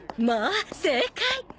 まあ正解！